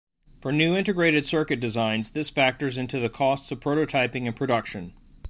For new integrated-circuit designs, this factors into the costs of prototyping and production.